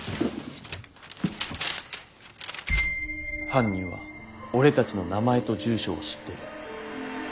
犯人は俺たちの名前と住所を知ってる。